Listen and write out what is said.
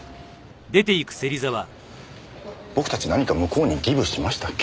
僕たち何か向こうにギブしましたっけ？